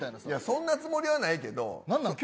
そんなつもりはないけど。